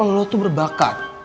lo tuh berbakat